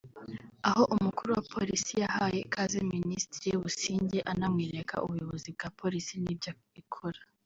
aho umukuru wa Polisi yahaye ikaze Minisitiri Busingye anamwereka ubuyobozi bwa Polisi n’ibyo ikora